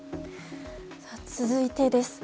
続いてです。